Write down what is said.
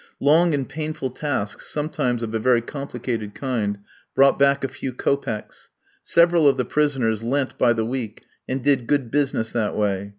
Long and painful tasks, sometimes of a very complicated kind, brought back a few kopecks. Several of the prisoners lent by the week, and did good business that way.